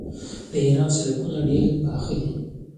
د ایران سړکونه ډیر پاخه دي.